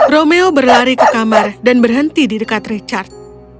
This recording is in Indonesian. romeo berlari ke kamar dan berhenti di dekat richard